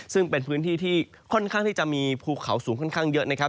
ซึ่งเป็นพื้นที่ที่ค่อนข้างที่จะมีภูเขาสูงค่อนข้างเยอะนะครับ